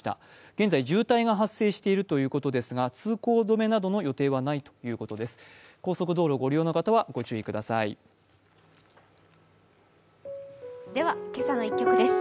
現在、渋滞が発生しているということですが、通行止めなどの予定はないということです。